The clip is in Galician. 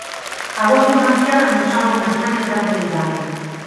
A voz de Marcial amosaba unha estraña tranquilidade.